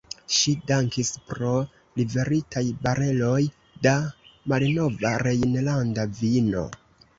Ŝi dankis pro liveritaj bareloj da malnova rejnlanda vino.